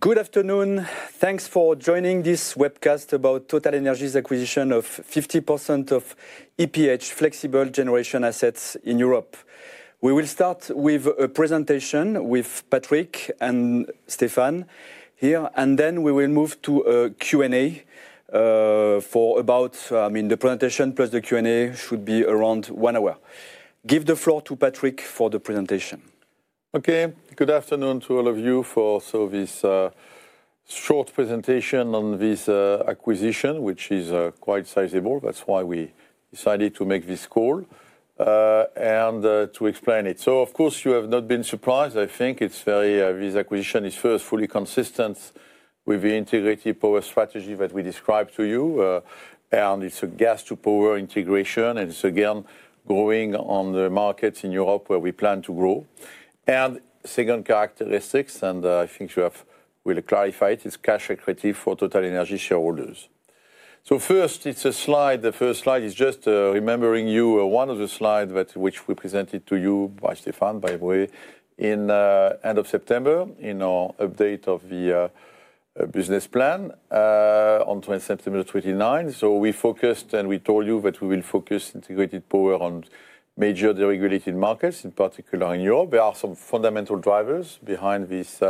Good afternoon. Thanks for joining this webcast about TotalEnergies' acquisition of 50% of EPH flexible generation assets in Europe. We will start with a presentation with Patrick and Stéphane here, and then we will move to a Q&A for about, I mean, the presentation plus the Q&A should be around one hour. Give the floor to Patrick for the presentation. Okay. Good afternoon to all of you for this short presentation on this acquisition, which is quite sizable. That is why we decided to make this call and to explain it. Of course, you have not been surprised. I think this acquisition is first fully consistent with the integrated power strategy that we described to you, and it is a gas-to-power integration, and it is again growing on the markets in Europe where we plan to grow. The second characteristic, and I think you have clarified, is cash equity for TotalEnergies shareholders. First, it is a slide. The first slide is just reminding you of one of the slides which we presented to you by Stéphane, by the way, at the end of September in our update of the business plan on 2029. We focused, and we told you that we will focus integrated power on major deregulated markets, in particular in Europe. There are some fundamental drivers behind this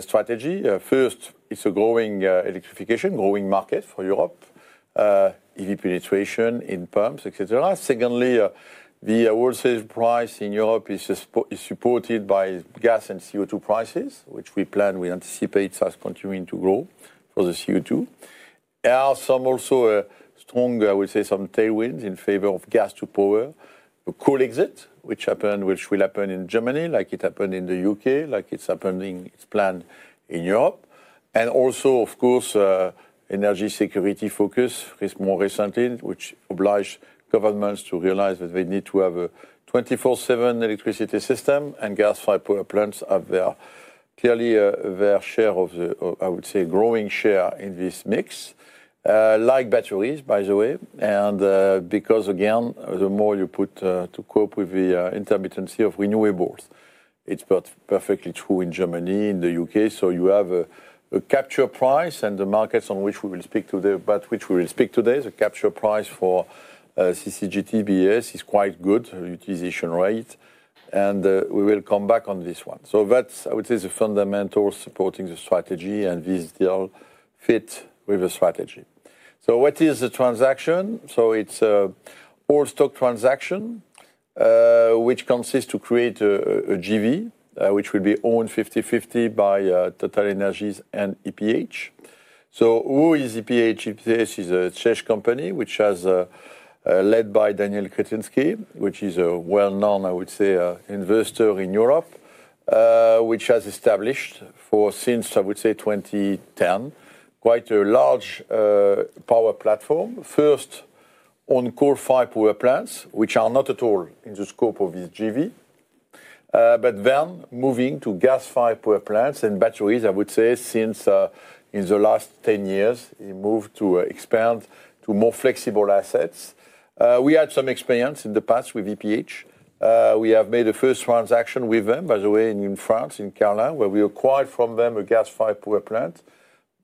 strategy. First, it is a growing electrification, growing market for Europe, EV penetration in pumps, etc. Secondly, the oil sales price in Europe is supported by gas and CO2 prices, which we plan, we anticipate as continuing to grow for the CO2. There are also strong, I would say, some tailwinds in favor of gas-to-power, the coal exit, which will happen in Germany like it happened in the U.K., like it is happening, it is planned in Europe. Also, of course, energy security focus more recently, which obliges governments to realize that they need to have a 24/7 electricity system, and gas-fired power plants have clearly their share of the, I would say, growing share in this mix, like batteries, by the way. Because again, the more you put to cope with the intermittency of renewables, it's perfectly true in Germany, in the U.K. You have a capture price, and the markets on which we will speak today, about which we will speak today, the capture price for CCGT BES is quite good, the utilization rate, and we will come back on this one. I would say the fundamentals supporting the strategy and this deal fit with the strategy. What is the transaction? It is an oil stock transaction, which consists of creating a JV, which will be owned 50/50 by TotalEnergies and EPH. Who is EPH? EPH is a Czech company which is led by Daniel Křetínský, which is a well-known, I would say, investor in Europe, which has established for, since, I would say, 2010, quite a large power platform, first on coal-fired power plants, which are not at all in the scope of this JV, but then moving to gas-fired power plants and batteries, I would say, since in the last 10 years, he moved to expand to more flexible assets. We had some experience in the past with EPH. We have made a first transaction with them, by the way, in France, in Cairns, where we acquired from them a gas-fired power plant,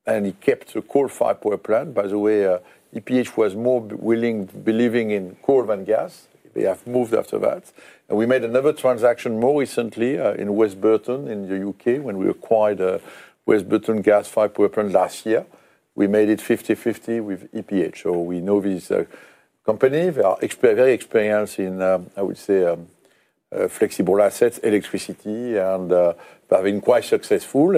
and he kept a coal-fired power plant. By the way, EPH was more willing, believing in coal than gas. They have moved after that. We made another transaction more recently in West Burton, in the U.K., when we acquired a West Burton gas-fired power plant last year. We made it 50/50 with EPH. We know this company. They are very experienced in, I would say, flexible assets, electricity, and they've been quite successful.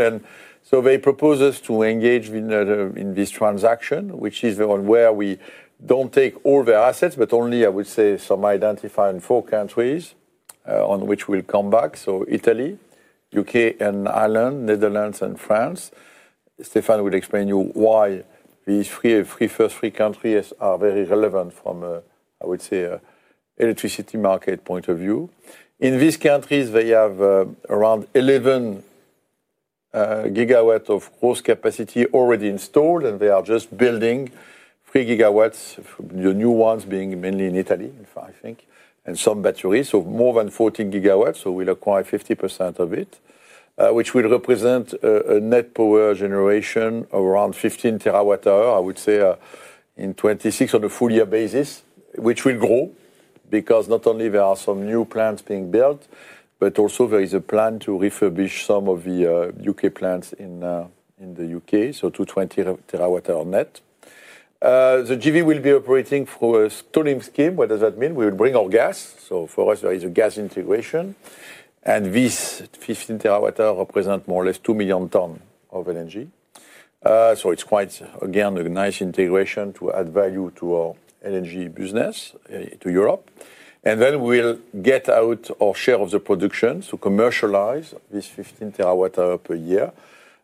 They proposed us to engage in this transaction, which is where we do not take all their assets, but only, I would say, some identified in four countries on which we'll come back. Italy, U.K. and Ireland, Netherlands, and France. Stéphane will explain to you why these first three countries are very relevant from, I would say, an electricity market point of view. In these countries, they have around 11 GW of gross capacity already installed, and they are just building 3 GW, the new ones being mainly in Italy, I think, and some batteries. More than 40 GW. We will acquire 50% of it, which will represent a net power generation of around 15 TWh I would say, in 2026 on a full-year basis, which will grow because not only are there some new plants being built, but also there is a plan to refurbish some of the plants in the U.K., so to 20 TWh net. The JV will be operating through a stalling scheme. What does that mean? We will bring our gas. For us, there is a gas integration, and these 15 TWh represent more or less 2 million tons of energy. It is quite, again, a nice integration to add value to our energy business to Europe. We will get out our share of the production to commercialize these 15 TWh per year,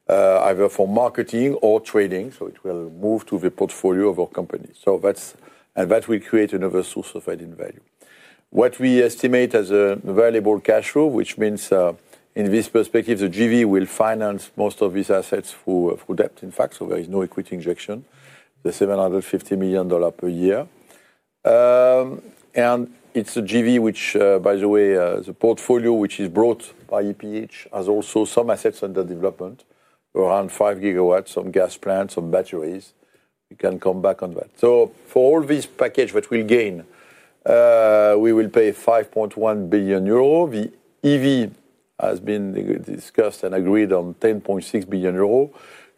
either for marketing or trading. It will move to the portfolio of our company. That will create another source of added value. What we estimate as a valuable cash flow, which means in this perspective, the JV will finance most of these assets through debt, in fact. There is no equity injection, the $750 million per year. It is a JV which, by the way, the portfolio which is brought by EPH has also some assets under development, around 5 GW, some gas plants, some batteries. We can come back on that. For all this package that we will gain, we will pay 5.1 billion euro. The EV has been discussed and agreed on 10.6 billion euro.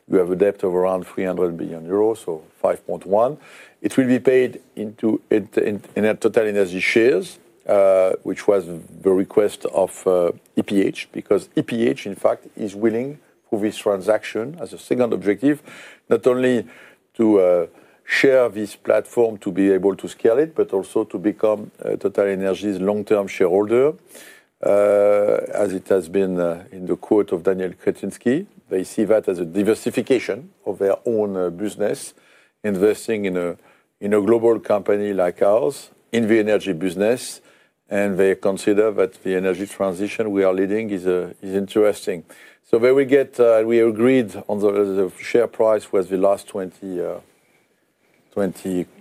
We have a debt of around 3 billion euro, so 5.1. It will be paid into TotalEnergies shares, which was the request of EPH, because EPH, in fact, is willing for this transaction as a second objective, not only to share this platform to be able to scale it, but also to become TotalEnergies' long-term shareholder, as it has been in the quote of Daniel Křetínský. They see that as a diversification of their own business, investing in a global company like ours in the energy business, and they consider that the energy transition we are leading is interesting. There we get, we agreed on the share price was the last 20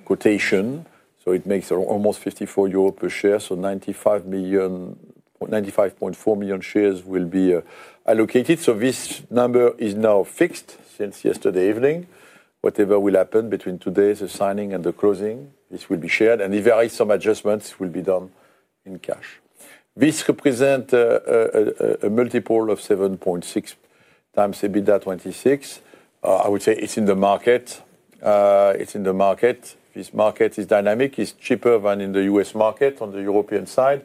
quotation. It makes almost 54 euros per share. 95.4 million shares will be allocated. This number is now fixed since yesterday evening. Whatever will happen between today's signing and the closing, this will be shared, and if there are some adjustments, it will be done in cash. This represents a multiple of 7.6 times EBITDA 26. I would say it's in the market. It's in the market. This market is dynamic. It's cheaper than in the U.S. market on the European side,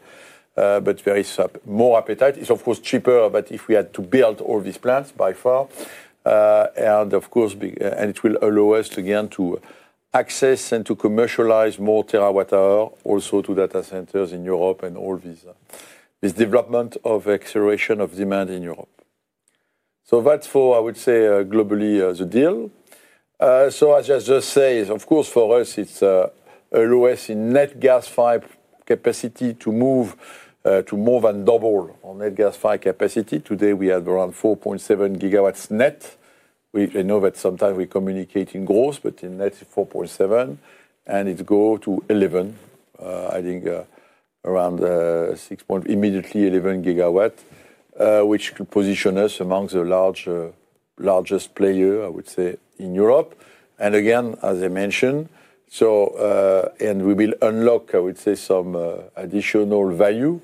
but there is more appetite. It's, of course, cheaper, but if we had to build all these plants by far. Of course, it will allow us again to access and to commercialize more terawatt-hour, also to data centers in Europe and all this development of acceleration of demand in Europe. That's for, I would say, globally the deal. As I just say, of course, for us, it's a lowest in net gas-fired capacity to move to more than double on net gas-fired capacity. Today, we have around 4.7 GW net. We know that sometimes we communicate in gross, but in net, it's 4.7, and it's go to 11, adding around 6. Immediately 11 GW, which could position us amongst the largest players, I would say, in Europe. Again, as I mentioned, we will unlock, I would say, some additional value,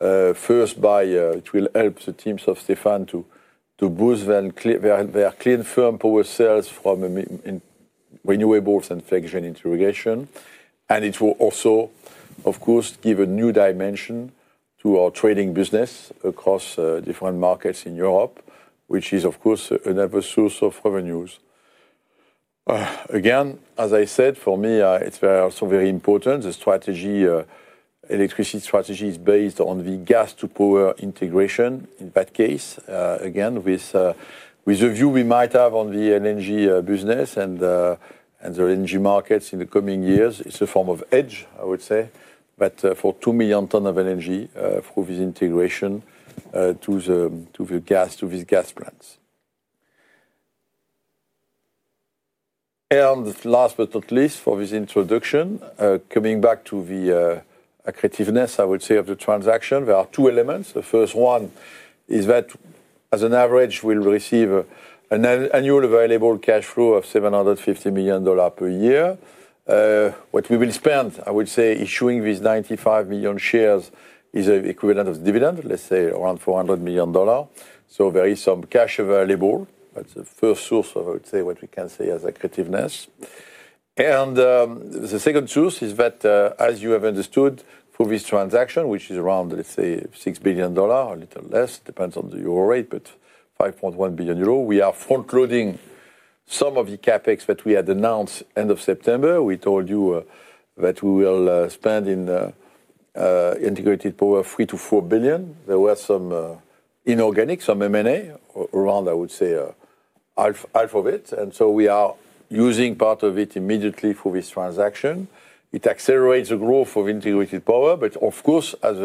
first by. It will help the teams of Stéphane to boost their clean firm power sales from renewables and flexible generation. It will also, of course, give a new dimension to our trading business across different markets in Europe, which is, of course, another source of revenues. Again, as I said, for me, it's also very important. The strategy, electricity strategy is based on the gas-to-power integration in that case, again, with a view we might have on the energy business and the energy markets in the coming years. It's a form of edge, I would say, but for 2 million tons of energy through this integration to the gas, to these gas plants. Last but not least, for this introduction, coming back to the creativeness, I would say, of the transaction, there are two elements. The first one is that, as an average, we'll receive an annual available cash flow of $750 million per year. What we will spend, I would say, issuing these 95 million shares is equivalent of dividend, let's say around $400 million. There is some cash available. That's the first source of, I would say, what we can say as a creativeness. The second source is that, as you have understood, for this transaction, which is around, let's say, $6 billion, a little less, depends on the euro rate, but 5.1 billion euro, we are front-loading some of the CapEx that we had announced end of September. We told you that we will spend in integrated power $3 billion-$4 billion. There were some inorganic, some M&A around, I would say, half of it. We are using part of it immediately for this transaction. It accelerates the growth of integrated power, but of course, as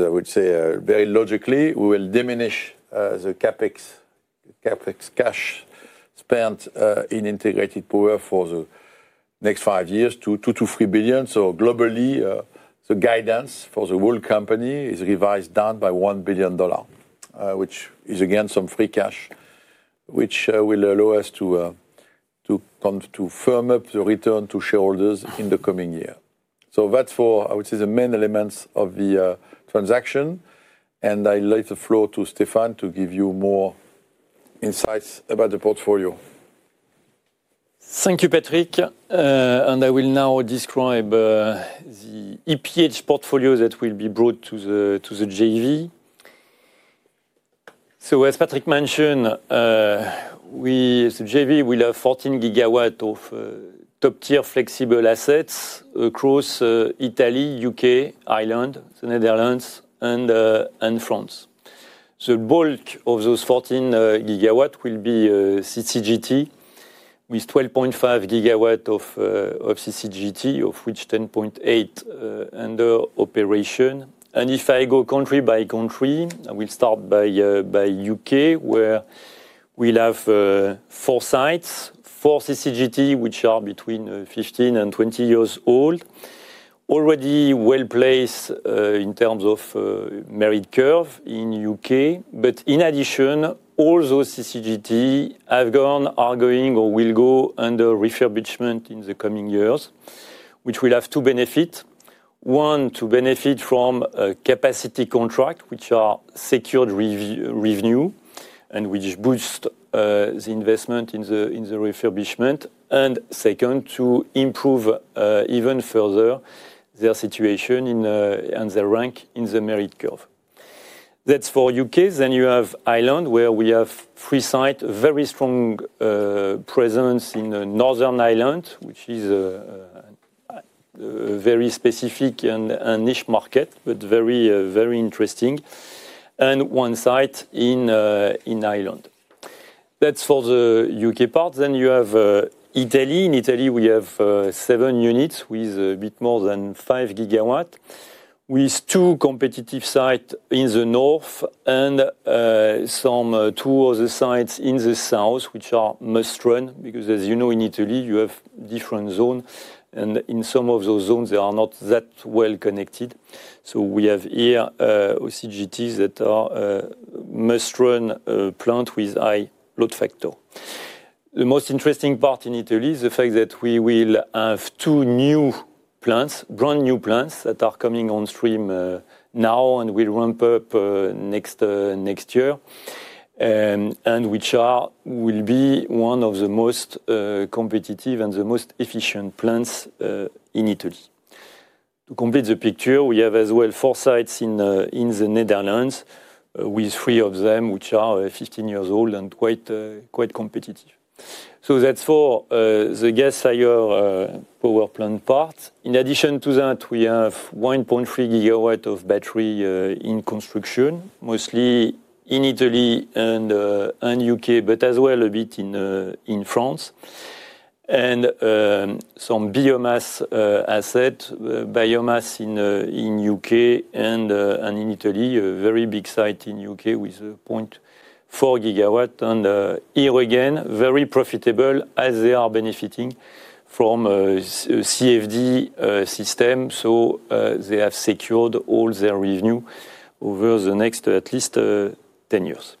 I would say, very logically, we will diminish the CapEx cash spent in integrated power for the next five years to $2 billion-$3 billion. Globally, the guidance for the world company is revised down by $1 billion, which is again some free cash, which will allow us to firm up the return to shareholders in the coming year. That is for, I would say, the main elements of the transaction. I will let the floor to Stéphane to give you more insights about the portfolio. Thank you, Patrick. I will now describe the EPH portfolio that will be brought to the JV. As Patrick mentioned, the JV will have 14 GW of top-tier flexible assets across Italy, U.K., Ireland, the Netherlands, and France. The bulk of those 14 GW will be CCGT, with 12.5 GW of CCGT, of which 10.8 under operation. If I go country by country, I will start by the U.K., where we will have four sites, four CCGT, which are between 15 and 20 years old, already well placed in terms of merit curve in the U.K. In addition, all those CCGT have gone, are going, or will go under refurbishment in the coming years, which will have two benefits. One, to benefit from capacity contracts, which are secured revenue and which boost the investment in the refurbishment. Second, to improve even further their situation and their rank in the merit curve. That is for the U.K. Then you have Ireland, where we have three sites, a very strong presence in Northern Ireland, which is a very specific and niche market, but very, very interesting, and one site in Ireland. That is for the U.K. part. Then you have Italy. In Italy, we have seven units with a bit more than 5 GW, with two competitive sites in the north and some two other sites in the south, which are must-run because, as you know, in Italy, you have different zones. In some of those zones, they are not that well connected. We have here OCGTs that are must-run plants with high load factor. The most interesting part in Italy is the fact that we will have two new plants, brand new plants that are coming on stream now and will ramp up next year, and which will be one of the most competitive and the most efficient plants in Italy. To complete the picture, we have as well four sites in the Netherlands, with three of them which are 15 years old and quite competitive. That is for the gas-fired power plant part. In addition to that, we have 1.3 GW of battery in construction, mostly in Italy and U.K., but as well a bit in France. And some biomass assets, biomass in U.K. and in Italy, a very big site in U.K. with 0.4 GW. And here again, very profitable as they are benefiting from CFD system. So they have secured all their revenue over the next at least 10 years.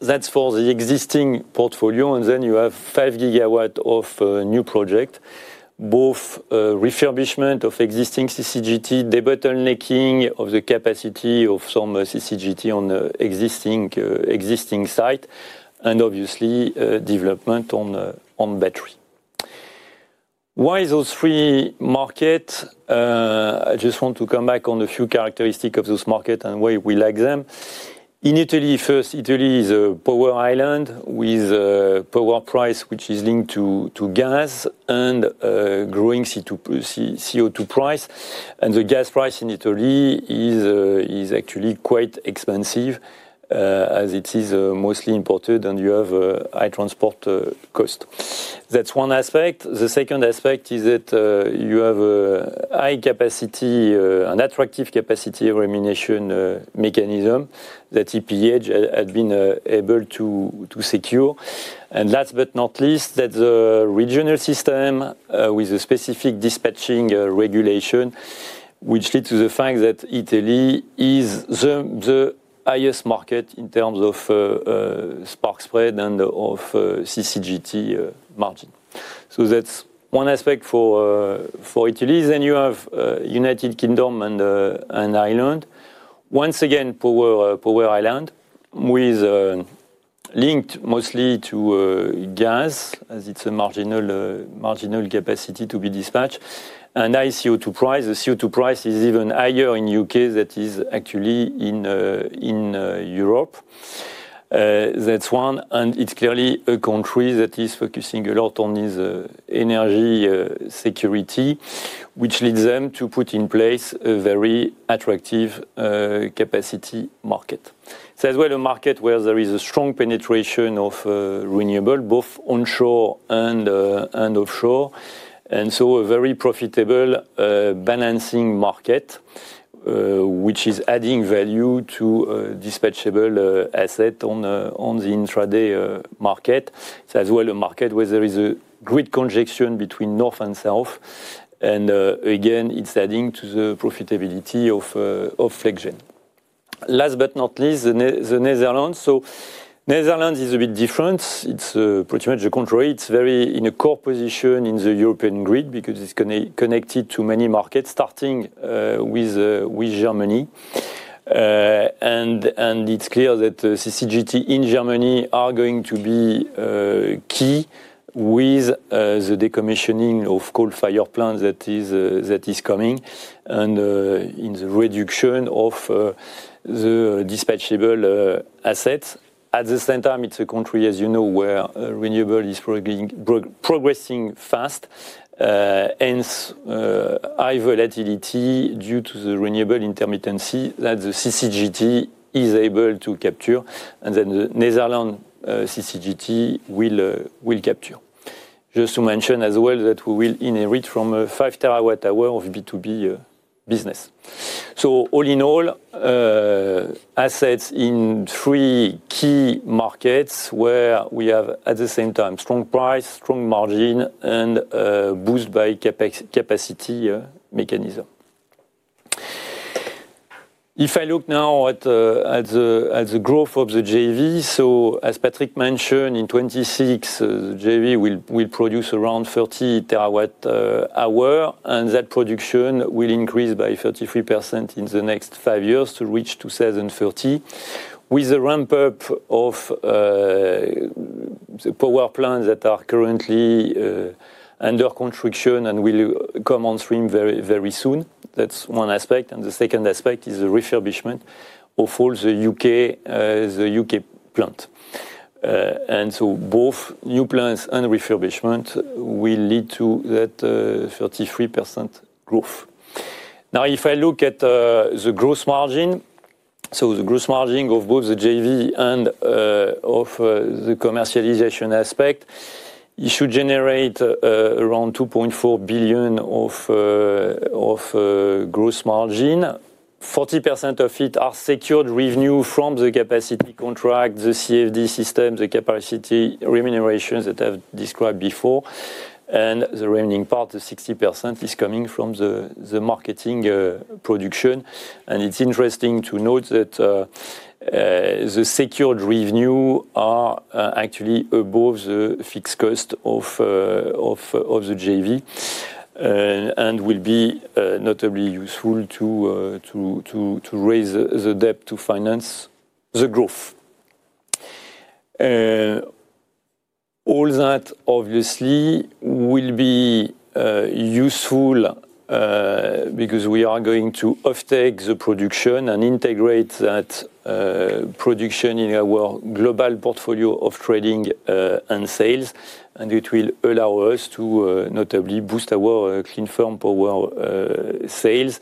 That's for the existing portfolio. And then you have 5 GW of new projects, both refurbishment of existing CCGT, the bottlenecking of the capacity of some CCGT on existing site, and obviously development on battery. Why those three markets? I just want to come back on a few characteristics of those markets and why we like them. In Italy, first, Italy is a power island with a power price which is linked to gas and growing CO2 price. The gas price in Italy is actually quite expensive as it is mostly imported, and you have high transport cost. That is one aspect. The second aspect is that you have a high capacity, an attractive capacity elimination mechanism that EPH had been able to secure. Last but not least, there is a regional system with a specific dispatching regulation, which leads to the fact that Italy is the highest market in terms of spark spread and of CCGT margin. That is one aspect for Italy. You have United Kingdom and Ireland. Once again, power island with linked mostly to gas as it is a marginal capacity to be dispatched. High CO2 price. The CO2 price is even higher in U.K. than it is actually in Europe. That is one. It is clearly a country that is focusing a lot on its energy security, which leads them to put in place a very attractive capacity market. It is as well a market where there is a strong penetration of renewable, both onshore and offshore. A very profitable balancing market is adding value to dispatchable assets on the intraday market. It is also a market where there is a great conjunction between north and south. Again, it is adding to the profitability of flexible. Last but not least, the Netherlands. Netherlands is a bit different. It is pretty much the contrary. It is very in a core position in the European grid because it is connected to many markets, starting with Germany. It is clear that CCGT in Germany are going to be key with the decommissioning of coal-fired plants that is coming and in the reduction of the dispatchable assets. At the same time, it's a country, as you know, where renewable is progressing fast, hence high volatility due to the renewable intermittency that the CCGT is able to capture and that the Netherlands CCGT will capture. Just to mention as well that we will inherit from a 5 TWh of B2B business. All in all, assets in three key markets where we have at the same time strong price, strong margin, and boost by capacity mechanism. If I look now at the growth of the JV, as Patrick mentioned, in 2026, the JV will produce around 30 TWh, and that production will increase by 33% in the next five years to reach 2030, with the ramp-up of the power plants that are currently under construction and will come on stream very soon. That's one aspect. The second aspect is the refurbishment of all the U.K. plants. Both new plants and refurbishment will lead to that 33% growth. If I look at the gross margin, the gross margin of both the JV and of the commercialization aspect should generate around 2.4 billion of gross margin. 40% of it are secured revenue from the capacity contract, the CFD system, the capacity remunerations that I have described before. The remaining part, the 60%, is coming from the marketing production. It is interesting to note that the secured revenue are actually above the fixed cost of the JV and will be notably useful to raise the debt to finance the growth. All that, obviously, will be useful because we are going to offtake the production and integrate that production in our global portfolio of trading and sales. It will allow us to notably boost our clean firm power sales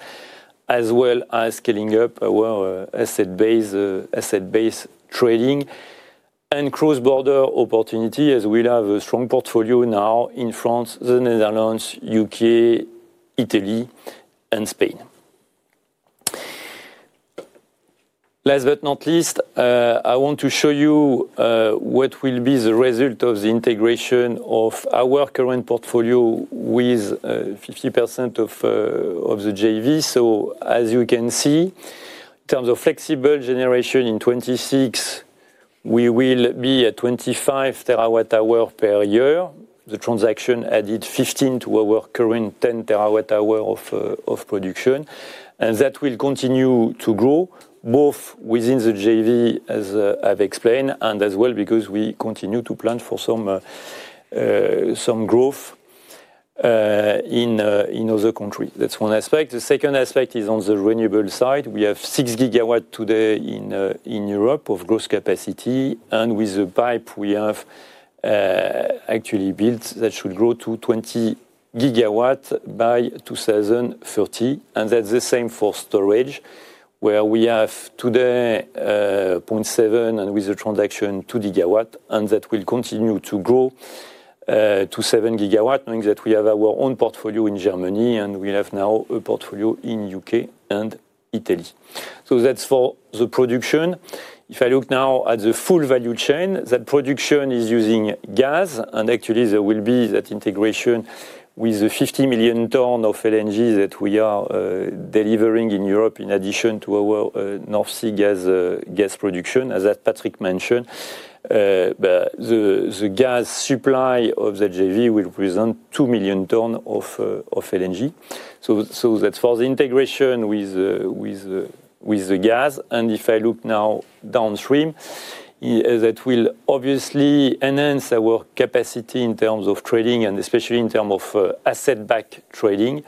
as well as scaling up our asset-based trading and cross-border opportunity as we have a strong portfolio now in France, the Netherlands, U.K., Italy, and Spain. Last but not least, I want to show you what will be the result of the integration of our current portfolio with 50% of the JV. As you can see, in terms of flexible generation in 2026, we will be at 25 TWh per year. The transaction added 15 to our current 10 TWh of production. That will continue to grow both within the JV, as I have explained, and as well because we continue to plan for some growth in other countries. That is one aspect. The second aspect is on the renewable side. We have 6 GW today in Europe of gross capacity. With the pipe we have actually built, that should grow to 20 GW by 2030. That is the same for storage, where we have today 0.7 and with the transaction 2 GW. That will continue to grow to 7 GW, knowing that we have our own portfolio in Germany and we have now a portfolio in the U.K. and Italy. That is for the production. If I look now at the full value chain, that production is using gas. Actually, there will be that integration with the 50 million tonnes of LNG that we are delivering in Europe in addition to our North Sea gas production. As Patrick mentioned, the gas supply of the JV will represent 2 million tonnes of LNG. That is for the integration with the gas. If I look now downstream, that will obviously enhance our capacity in terms of trading and especially in terms of asset-backed trading.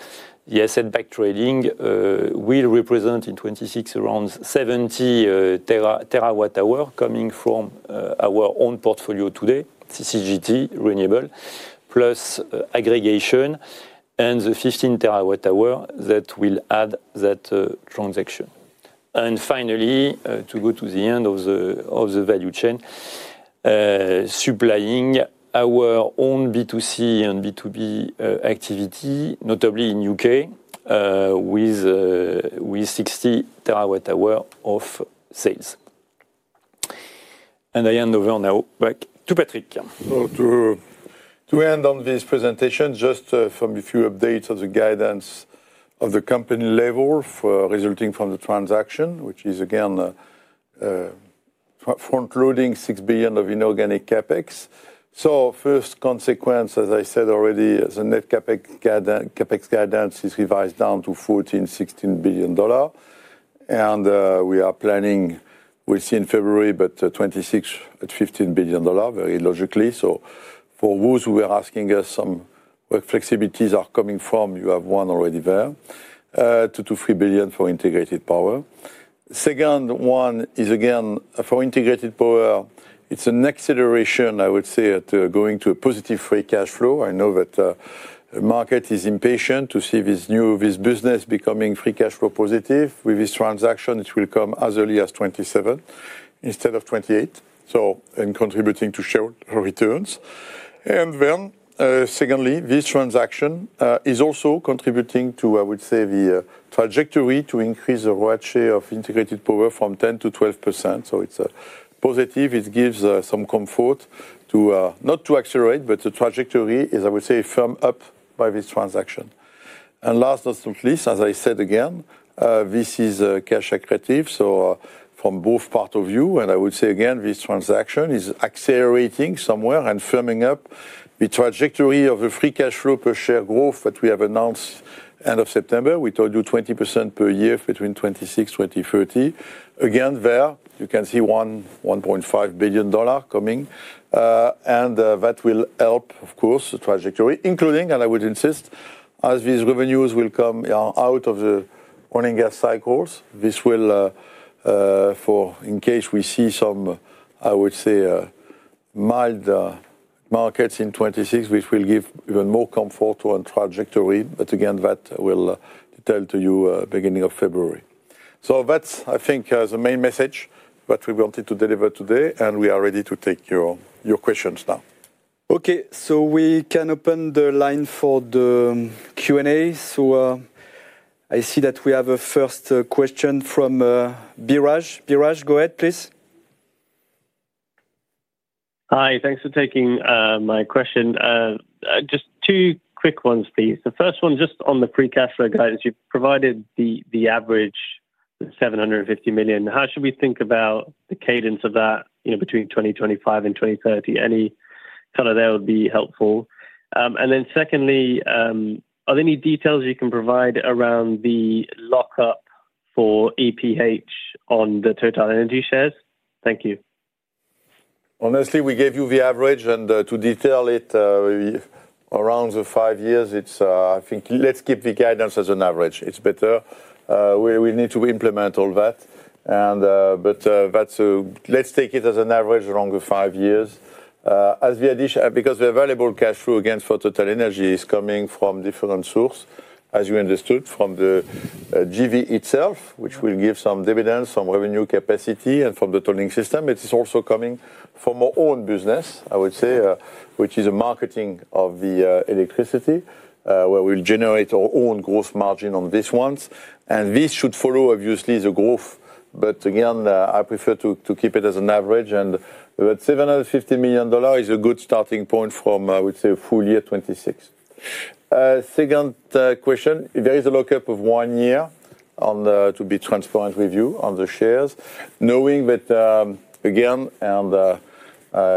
The asset-backed trading will represent in 2026 around 70 TWh coming from our own portfolio today, CCGT, renewable, plus aggregation and the 15 TWh that will add that transaction. Finally, to go to the end of the value chain, supplying our own B2C and B2B activity, notably in the U.K., with 60 TWh of sales. I hand over now back to Patrick. To end on this presentation, just from a few updates of the guidance at the company level resulting from the transaction, which is again front-loading 6 billion of inorganic CapEx. First consequence, as I said already, the net CapEx guidance is revised down to $14-16 billion. We are planning, we will see in February, but 2026 at $15 billion, very logically. For those who were asking us where flexibilities are coming from, you have one already there, €2-3 billion for integrated power. The second one is again for integrated power. It is an acceleration, I would say, going to a positive free cash flow. I know that the market is impatient to see this new business becoming free cash flow positive. With this transaction, it will come as early as 2027 instead of 2028, contributing to share returns. Secondly, this transaction is also contributing to, I would say, the trajectory to increase the right share of integrated power from 10% to 12%. It is positive. It gives some comfort not to accelerate, but the trajectory is, I would say, firmed up by this transaction. Last but not least, as I said again, this is cash accretive. From both parts of you, and I would say again, this transaction is accelerating somewhere and firming up the trajectory of the free cash flow per share growth that we have announced end of September. We told you 20% per year between 2026 and 2030. Again, there, you can see $1.5 billion coming. That will help, of course, the trajectory, including, and I would insist, as these revenues will come out of the oil and gas cycles, this will, in case we see some, I would say, mild markets in 2026, give even more comfort to our trajectory. Again, that will tell to you beginning of February. That is, I think, the main message that we wanted to deliver today. We are ready to take your questions now. Okay. We can open the line for the Q&A. I see that we have a first question from Bhiraj. Bhiraj, go ahead, please. Hi. Thanks for taking my question. Just two quick ones, please. The first one, just on the free cash flow guidance, you've provided the average of $750 million. How should we think about the cadence of that between 2025 and 2030? Any color there would be helpful. Then secondly, are there any details you can provide around the lock-up for EPH on the TotalEnergies shares? Thank you. Honestly, we gave you the average. To detail it, around the five years, it's, I think, let's keep the guidance as an average. It's better. We need to implement all that. Let's take it as an average along the five years. As we additionally, because the available cash flow again for TotalEnergies is coming from different sources, as you understood, from the JV itself, which will give some dividends, some revenue capacity, and from the tolling system. It is also coming from our own business, I would say, which is the marketing of the electricity, where we'll generate our own gross margin on these ones. These should follow, obviously, the growth. I prefer to keep it as an average. That $750 million is a good starting point from, I would say, full year 2026. Second question, there is a lock-up of one year to be transparent with you on the shares, knowing that, again, and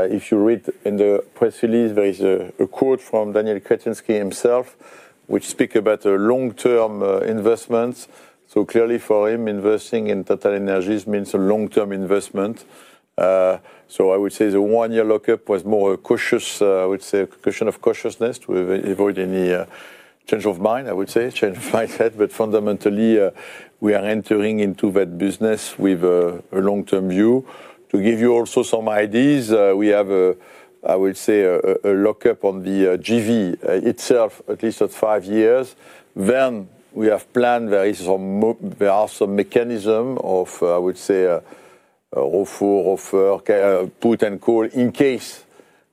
if you read in the press release, there is a quote from Daniel Kretinský himself, which speaks about long-term investments. Clearly, for him, investing in TotalEnergies means a long-term investment. I would say the one-year lock-up was more a question of cautiousness to avoid any change of mind, change of mindset. Fundamentally, we are entering into that business with a long-term view. To give you also some ideas, we have a lock-up on the JV itself, at least at five years. We have planned there are some mechanisms of ROFO, ROFR, put and call in case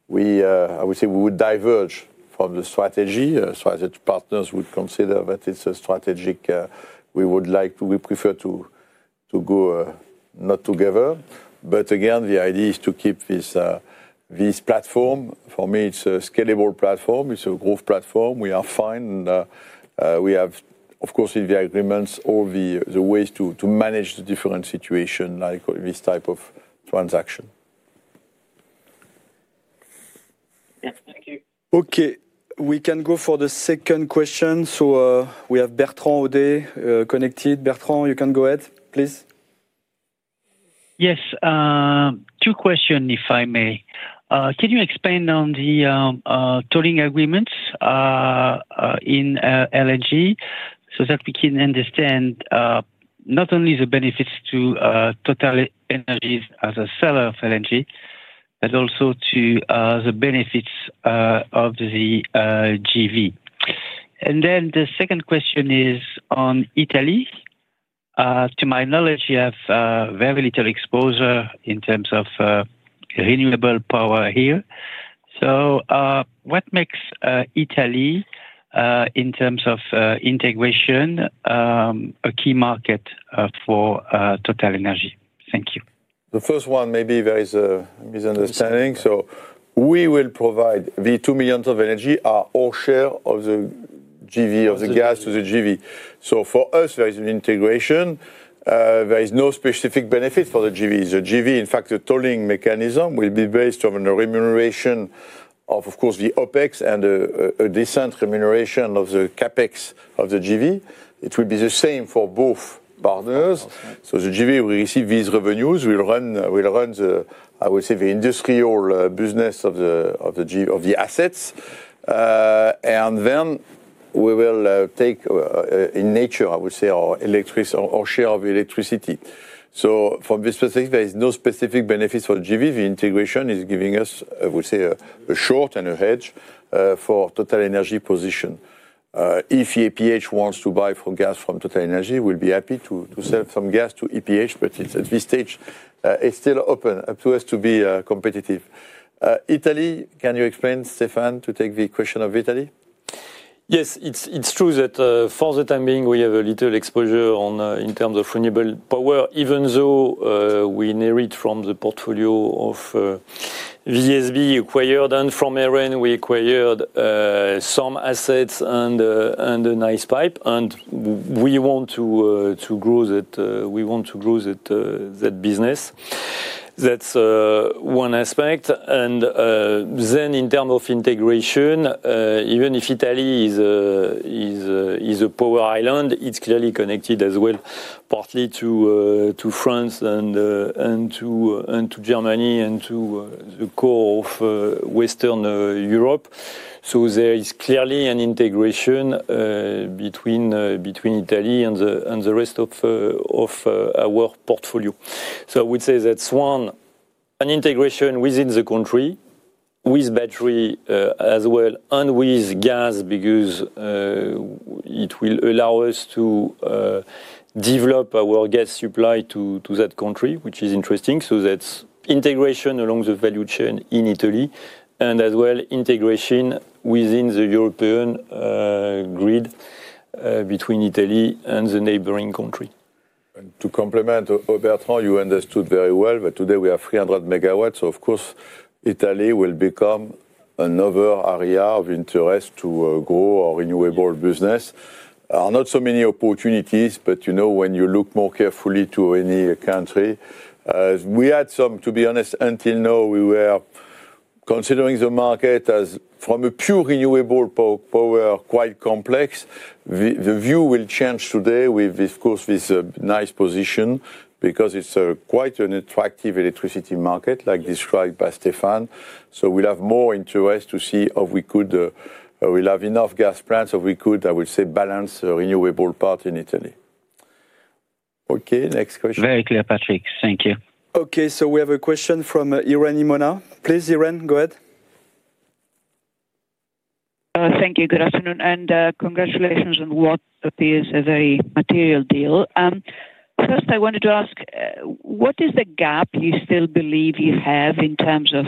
we would diverge from the strategy. Strategic partners would consider that it is a strategic, we would like to, we prefer to go not together. Again, the idea is to keep this platform. For me, it is a scalable platform. It is a growth platform. We are fine. We have, of course, in the agreements, all the ways to manage the different situations like this type of transaction. Yes, thank you. Okay. We can go for the second question. We have Bertrand Audet connected. Bertrand, you can go ahead, please. Yes. Two questions, if I may. Can you expand on the tolling agreements in LNG so that we can understand not only the benefits to TotalEnergies as a seller of LNG, but also the benefits of the JV? The second question is on Italy. To my knowledge, you have very little exposure in terms of renewable power here. What makes Italy, in terms of integration, a key market for TotalEnergies? Thank you. The first one, maybe there is a misunderstanding. We will provide the 2 million of energy, our share of the JV, of the gas to the JV. For us, there is an integration. There is no specific benefit for the JV. The JV, in fact, the tolling mechanism will be based on a remuneration of, of course, the OpEx and a decent remuneration of the CapEx of the JV. It will be the same for both partners. The JV will receive these revenues, will run, I would say, the industrial business of the assets. Then we will take in nature, I would say, our share of electricity. From this perspective, there is no specific benefit for the JV. The integration is giving us, I would say, a short and a hedge for TotalEnergies' position. If EPH wants to buy gas from TotalEnergies, we will be happy to sell some gas to EPH. At this stage, it is still open up to us to be competitive. Italy, can you explain, Stéphane, to take the question of Italy? Yes, it's true that for the time being, we have a little exposure in terms of renewable power, even though we inherit from the portfolio of VSB acquired and from EREN, we acquired some assets and a nice pipe. We want to grow that. We want to grow that business. That's one aspect. In terms of integration, even if Italy is a power island, it's clearly connected as well, partly to France and to Germany and to the core of Western Europe. There is clearly an integration between Italy and the rest of our portfolio. I would say that's one, an integration within the country with battery as well and with gas because it will allow us to develop our gas supply to that country, which is interesting. That is integration along the value chain in Italy and as well integration within the European grid between Italy and the neighboring country. To complement Bertrand, you understood very well, but today we have 300 MW. Of course, Italy will become another area of interest to grow our renewable business. There are not so many opportunities, but when you look more carefully to any country, we had some, to be honest, until now, we were considering the market as from a pure renewable power, quite complex. The view will change today with, of course, this nice position because it is quite an attractive electricity market, like described by Stéphane. We will have more interest to see if we could, we will have enough gas plants if we could, I would say, balance the renewable part in Italy. Okay. Next question. Very clear, Patrick. Thank you. Okay. We have a question from Irene Mona. Please, Irene, go ahead. Thank you. Good afternoon. Congratulations on what appears a very material deal. First, I wanted to ask, what is the gap you still believe you have in terms of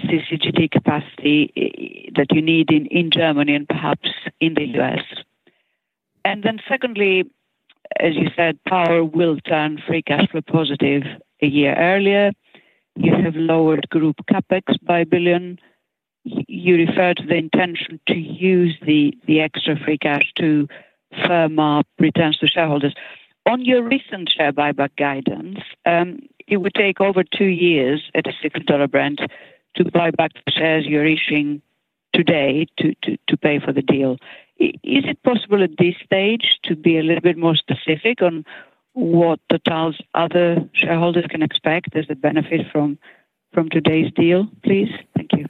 CCGT capacity that you need in Germany and perhaps in the U.S.? Secondly, as you said, power will turn free cash flow positive a year earlier. You have lowered group CapEx by 1 billion. You referred to the intention to use the extra free cash to firm up returns to shareholders. On your recent share buyback guidance, it would take over two years at a $60 Brent to buy back the shares you are issuing today to pay for the deal. Is it possible at this stage to be a little bit more specific on what Totals other shareholders can expect as a benefit from today's deal, please? Thank you.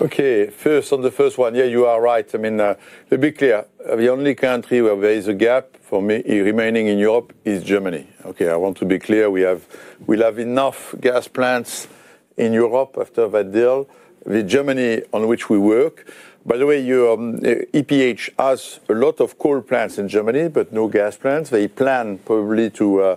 Okay. First, on the first one, yeah, you are right. I mean, to be clear, the only country where there is a gap for remaining in Europe is Germany. Okay. I want to be clear. We'll have enough gas plants in Europe after that deal with Germany on which we work. By the way, EPH has a lot of coal plants in Germany, but no gas plants. They plan probably to,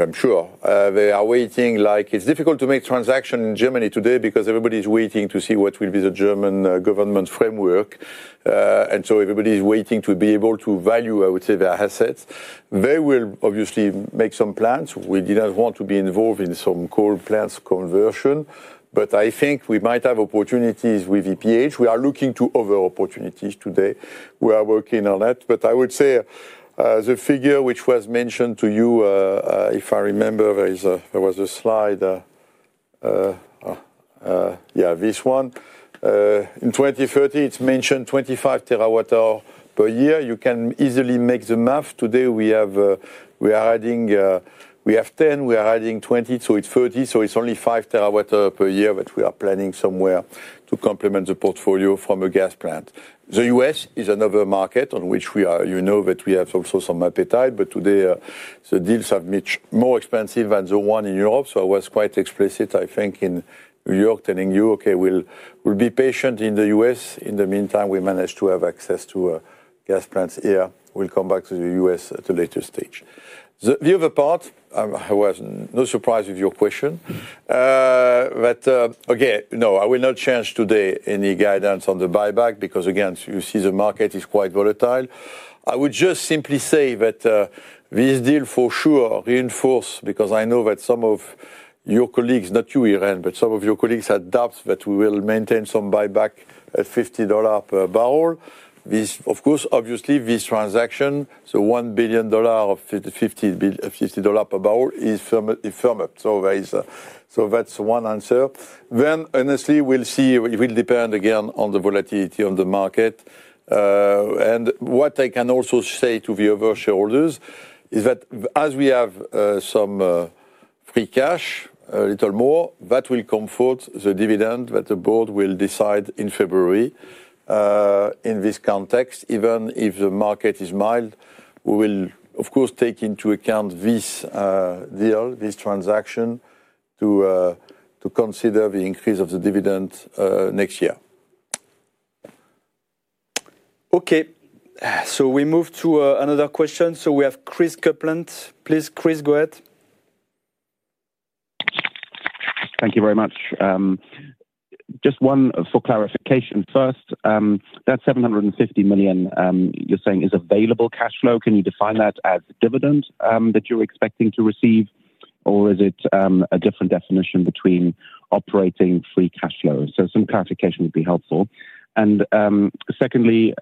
I'm sure, they are waiting. It's difficult to make transactions in Germany today because everybody's waiting to see what will be the German government framework. Everybody's waiting to be able to value, I would say, their assets. They will obviously make some plans. We did not want to be involved in some coal plants conversion, but I think we might have opportunities with EPH. We are looking to other opportunities today. We are working on it. I would say the figure which was mentioned to you, if I remember, there was a slide. Yeah, this one. In 2030, it is mentioned 25 TWh per year. You can easily make the math. Today, we are adding, we have 10, we are adding 20, so it is 30. It is only 5 TWh per year that we are planning somewhere to complement the portfolio from a gas plant. The U.S. is another market on which we are, you know, that we have also some appetite. Today, the deals have been more expensive than the one in Europe. I was quite explicit, I think, in New York telling you, okay, we will be patient in the U.S. In the meantime, we managed to have access to gas plants here. We will come back to the U.S. at a later stage. The other part, I was no surprise with your question. Again, no, I will not change today any guidance on the buyback because, again, you see the market is quite volatile. I would just simply say that this deal for sure reinforced because I know that some of your colleagues, not you, Irene, but some of your colleagues doubt that we will maintain some buyback at $50 per barrel. Of course, obviously, this transaction, the $1 billion at $50 per barrel is firmed up. That is one answer. Honestly, we will see. It will depend again on the volatility of the market. What I can also say to the other shareholders is that as we have some free cash, a little more, that will comfort the dividend that the board will decide in February. In this context, even if the market is mild, we will, of course, take into account this deal, this transaction to consider the increase of the dividend next year. Okay. We move to another question. We have Chris Copeland. Please, Chris, go ahead. Thank you very much. Just one for clarification first. That $750 million, you are saying, is available cash flow. Can you define that as dividend that you are expecting to receive, or is it a different definition between operating free cash flow? Some clarification would be helpful. Secondly,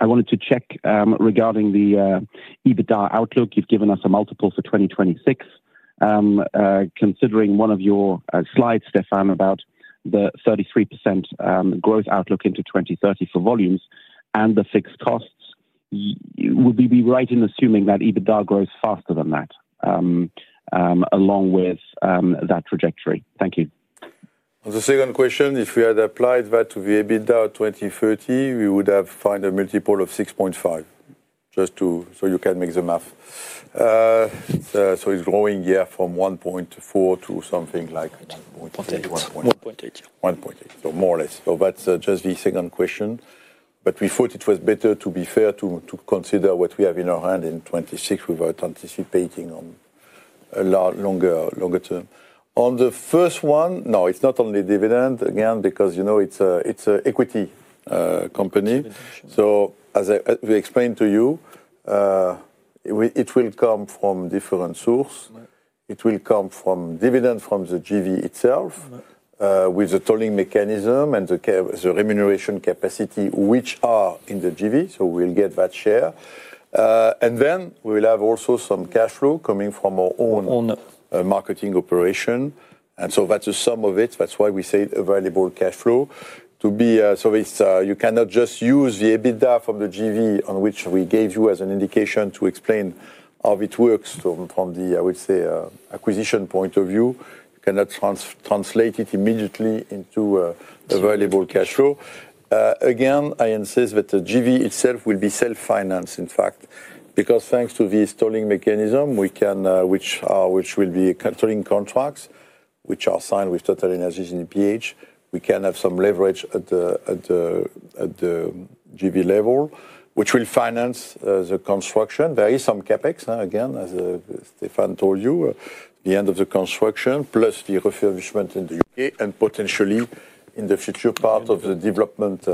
I wanted to check regarding the EBITDA outlook. You have given us a multiple for 2026. Considering one of your slides, Stéphane, about the 33% growth outlook into 2030 for volumes and the fixed costs, would we be right in assuming that EBITDA grows faster than that along with that trajectory? Thank you. The second question, if we had applied that to the EBITDA of 2030, we would have found a multiple of 6.5. Just so you can make the math. It is growing year from 1.4 to something like 1.8. 1.8. 1.8. More or less. That is just the second question. We thought it was better, to be fair, to consider what we have in our hand in 2026 without anticipating on a longer term. On the first one, no, it is not only dividend, again, because it is an equity company. As we explained to you, it will come from different sources. It will come from dividend from the JV itself with the tolling mechanism and the remuneration capacity, which are in the JV. We will get that share. We will have also some cash flow coming from our own marketing operation. That is the sum of it. That is why we say available cash flow. You cannot just use the EBITDA from the JV, which we gave you as an indication to explain how it works from the, I would say, acquisition point of view. You cannot translate it immediately into available cash flow. Again, I insist that the JV itself will be self-financed, in fact, because thanks to this tolling mechanism, which will be tolling contracts which are signed with TotalEnergies and EPH, we can have some leverage at the JV level, which will finance the construction. There is some CapEx, again, as Stéphane told you, at the end of the construction, plus the refurbishment in the U.K. and potentially in the future part of the development.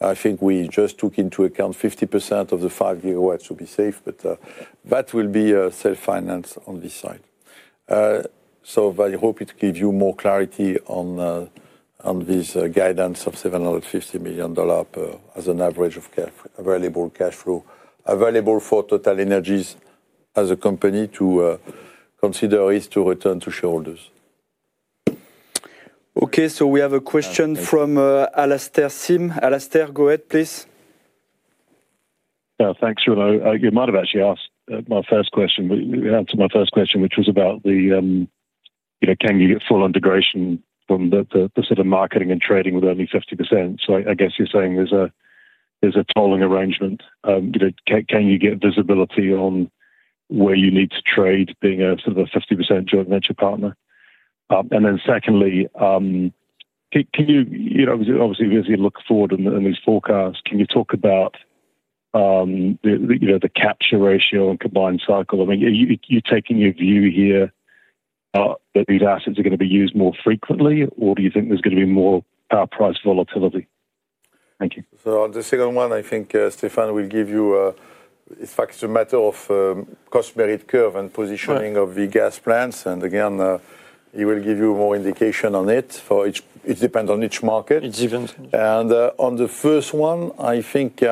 I think we just took into account 50% of the 5 GW, to be safe, but that will be self-financed on this side. I hope it gives you more clarity on this guidance of $750 million as an average of available cash flow available for TotalEnergies as a company to consider is to return to shareholders. Okay. We have a question from Alastair Sim. Alastair, go ahead, please. Thanks, Jules. You might have actually asked my first question. You answered my first question, which was about the, can you get full integration from the sort of marketing and trading with only 50%? I guess you're saying there's a tolling arrangement. Can you get visibility on where you need to trade being a sort of a 50% joint venture partner? And then secondly, obviously, as you look forward in these forecasts, can you talk about the capture ratio and combined cycle? I mean, you're taking your view here that these assets are going to be used more frequently, or do you think there's going to be more price volatility? Thank you. On the second one, I think Stéphane will give you, in fact, it's a matter of cost merit curve and positioning of the gas plants. Again, he will give you more indication on it. It depends on each market. It depends. On the first one, I think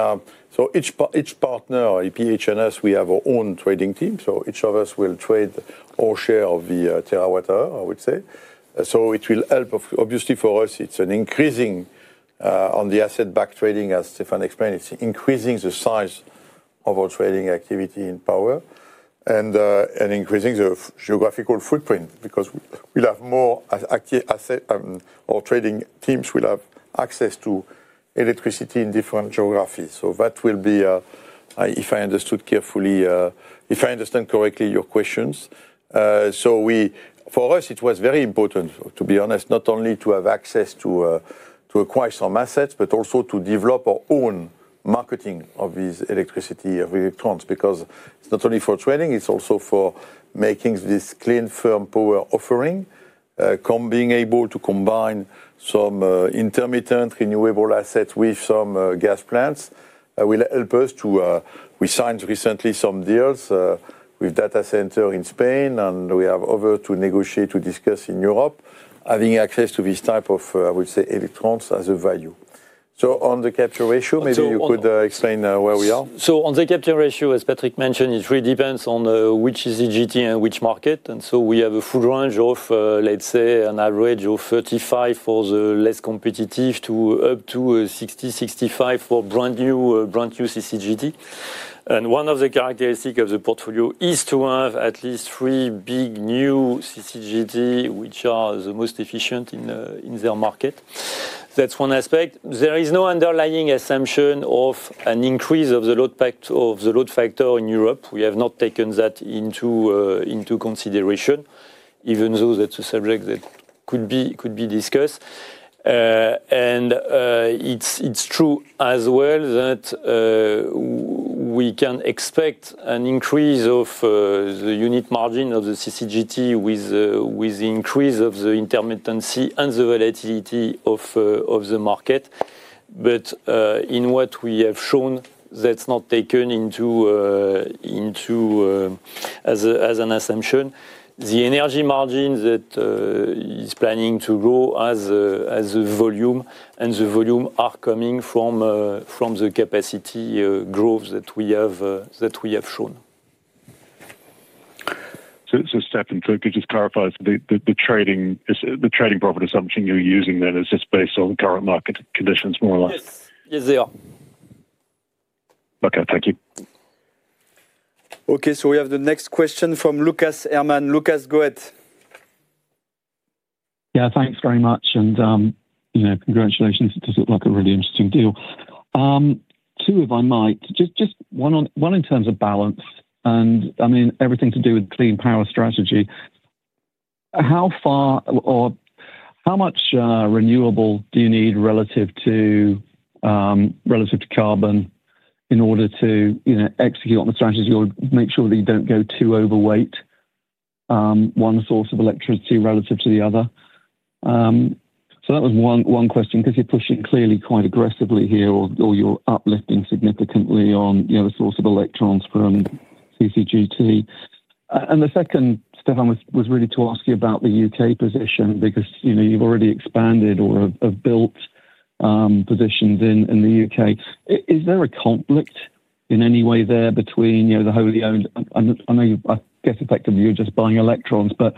each partner, EPH and us, we have our own trading team. Each of us will trade our share of the terawatt-hour, I would say. It will help, obviously, for us. It is increasing on the asset-backed trading, as Stéphane explained. It is increasing the size of our trading activity in power and increasing the geographical footprint because we will have more assets or trading teams will have access to electricity in different geographies. That will be, if I understood correctly, your questions. For us, it was very important, to be honest, not only to have access to acquire some assets, but also to develop our own marketing of this electricity, of electrons, because it is not only for trading, it is also for making this clean, firm power offering. Being able to combine some intermittent renewable assets with some gas plants will help us to. We signed recently some deals with data centers in Spain, and we have others to negotiate, to discuss in Europe, having access to this type of, I would say, electrons as a value. On the capture ratio, maybe you could explain where we are. On the capture ratio, as Patrick mentioned, it really depends on which is CCGT and which market. We have a full range of, let's say, an average of 35 for the less competitive to up to 60-65 for brand new CCGT. One of the characteristics of the portfolio is to have at least three big new CCGT, which are the most efficient in their market. That's one aspect. There is no underlying assumption of an increase of the load factor in Europe. We have not taken that into consideration, even though that's a subject that could be discussed. It is true as well that we can expect an increase of the unit margin of the CCGT with the increase of the intermittency and the volatility of the market. In what we have shown, that is not taken as an assumption. The energy margin is planning to grow as a volume, and the volume is coming from the capacity growth that we have shown. Stéphane, could you just clarify the trading profit assumption you are using then is just based on current market conditions, more or less? Yes, they are. Okay. Thank you. We have the next question from Lucas Hermann. Lucas, go ahead. Yeah, thanks very much. Congratulations. It does look like a really interesting deal. Two, if I might, just one in terms of balance. I mean, everything to do with clean power strategy. How far or how much renewable do you need relative to carbon in order to execute on the strategy or make sure that you do not go too overweight one source of electricity relative to the other? That was one question because you are pushing clearly quite aggressively here, or you are uplifting significantly on the source of electrons from CCGT. The second, Stéphane, was really to ask you about the U.K. position because you have already expanded or have built positions in the U.K. Is there a conflict in any way there between the wholly owned? I guess effectively, you are just buying electrons, but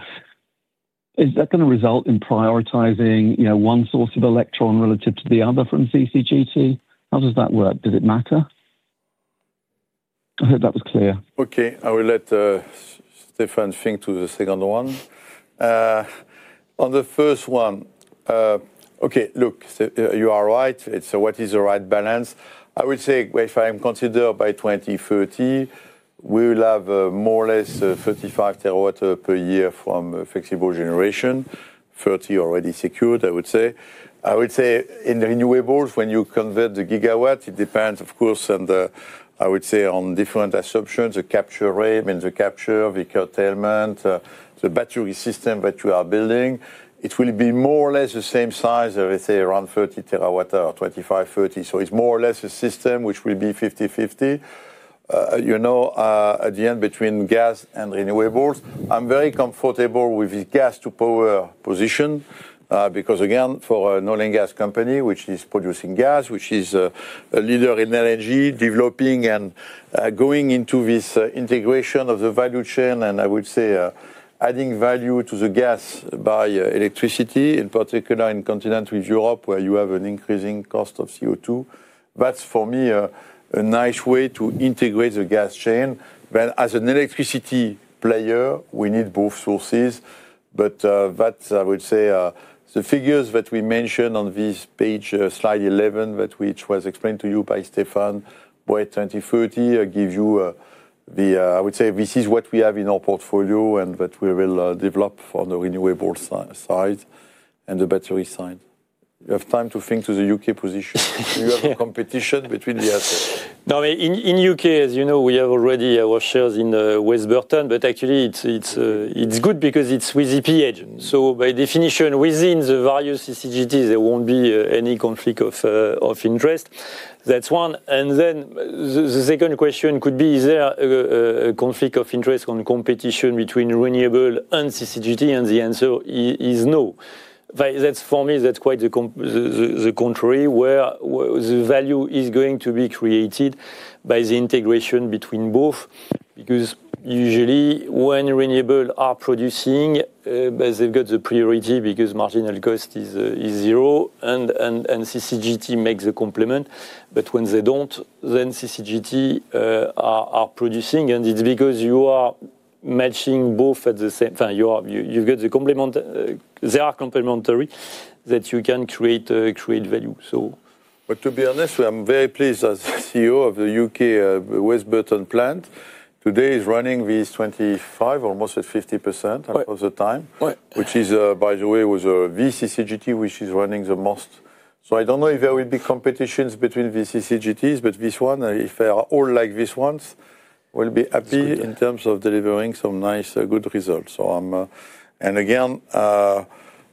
is that going to result in prioritizing one source of electron relative to the other from CCGT? How does that work? Does it matter? I hope that was clear. I will let Stéphane think to the second one. On the first one, okay, look, you are right. What is the right balance? I would say if I consider by 2030, we will have more or less 35 TWh per year from flexible generation, 30 already secured, I would say. I would say in renewables, when you convert the gigawatt, it depends, of course, and I would say on different assumptions, the capture rate and the capture, the curtailment, the battery system that you are building. It will be more or less the same size of, let's say, around 30 TWh, 25-30. It is more or less a system which will be 50-50 at the end between gas and renewables. I'm very comfortable with the gas-to-power position because, again, for an oil and gas company which is producing gas, which is a leader in LNG, developing and going into this integration of the value chain and I would say adding value to the gas by electricity, in particular in continental Europe, where you have an increasing cost of CO2. That's, for me, a nice way to integrate the gas chain. As an electricity player, we need both sources. I would say the figures that we mentioned on this page, slide 11, which was explained to you by Stéphane Boët, 2030, give you the, I would say, this is what we have in our portfolio and that we will develop on the renewables side and the battery side. You have time to think to the U.K. position. Do you have a competition between the assets? No, in the U.K., as you know, we have already our shares in West Burton, but actually, it's good because it's with EPH. By definition, within the various CCGTs, there won't be any conflict of interest. That's one. The second question could be, is there a conflict of interest on competition between renewable and CCGT? The answer is no. For me, that's quite the contrary, where the value is going to be created by the integration between both. Because usually, when renewables are producing, they've got the priority because marginal cost is zero, and CCGT makes a complement. When they don't, then CCGT are producing, and it's because you are matching both at the same, you've got the complement, they are complementary that you can create value. To be honest, I'm very pleased as CEO of the U.K. West Burton plant. Today, it's running with 25, almost at 50% of the time, which is, by the way, with a CCGT, which is running the most. I don't know if there will be competitions between CCGTs, but this one, if they are all like this one, will be happy in terms of delivering some nice, good results. Again,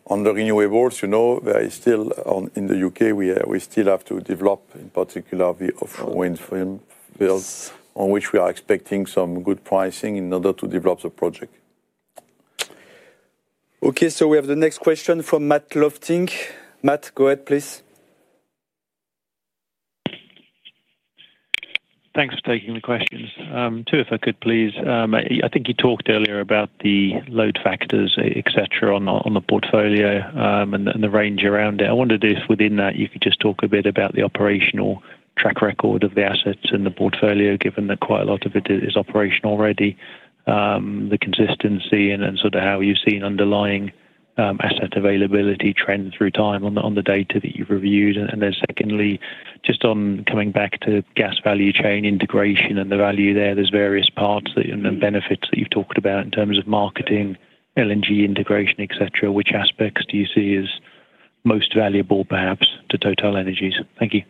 on the renewables, there is still in the U.K., we still have to develop, in particular, the offshore wind farm build, on which we are expecting some good pricing in order to develop the project. Okay. We have the next question from Matt Lofting. Matt, go ahead, please. Thanks for taking the questions. Two, if I could, please. I think you talked earlier about the load factors, etc., on the portfolio and the range around it. I wondered if within that, you could just talk a bit about the operational track record of the assets and the portfolio, given that quite a lot of it is operational already, the consistency and sort of how you've seen underlying asset availability trends through time on the data that you've reviewed. Then secondly, just on coming back to gas value chain integration and the value there, there's various parts and benefits that you've talked about in terms of marketing, LNG integration, etc. Which aspects do you see as most valuable, perhaps, to TotalEnergies? Thank you.